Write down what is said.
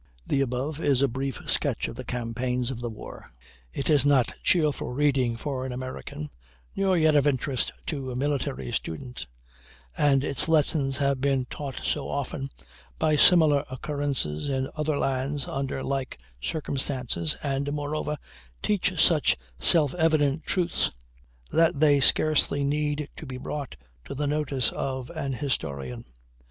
The above is a brief sketch of the campaigns of the war. It is not cheerful reading for an American, nor yet of interest to a military student; and its lessons have been taught so often by similar occurrences in other lands under like circumstances, and, moreover, teach such self evident truths, that they scarcely need to be brought to the notice of an historian.